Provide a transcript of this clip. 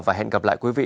và hẹn gặp lại quý vị